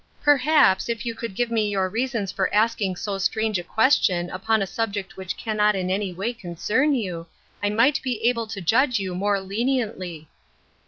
" Perhaps, if you could give me your reasons for asking so strange a question upon a subject which c nnot in any way concern you, I might be able to judge you more leniently."